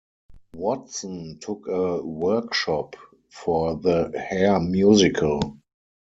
Watson took a workshop for the "Hair" musical.